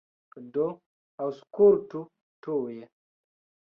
Do, aŭskultu tuj!